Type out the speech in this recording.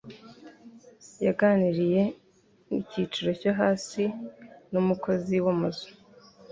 Yaganiriye nigiciro cyo hasi numukozi wamazu.